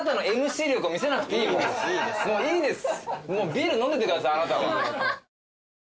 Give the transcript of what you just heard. もういいです。